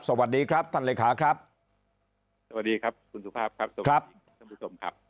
สวัสดีครับท่านเลขาครับสวัสดีครับคุณสุภาพครับสวัสดีท่านผู้ชมครับ